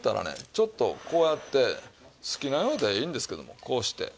ちょっとこうやって好きなようでいいんですけどもこうして。